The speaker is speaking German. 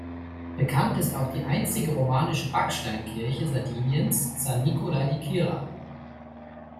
Bekannt ist auch die einzige romanische Backsteinkirche Sardiniens San Nicola di Quirra.